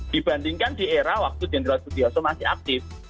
dibandingkan di era waktu jenderal sudioso masih aktif